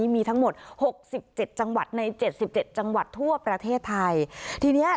มี๖๗จังหวัดใน๗๗จังหวัดทั่วประเทศไทย